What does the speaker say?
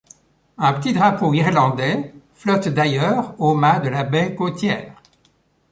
Un petit drapeau irlandais flotte d'ailleurs au mât de la baie côtière.